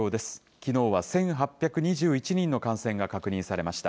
きのうは１８２１人の感染が確認されました。